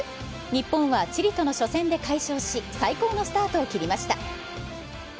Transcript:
日本はチリとの初戦で快勝し、最高のスタートを切りました。